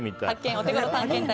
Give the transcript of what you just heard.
オテゴロ探検隊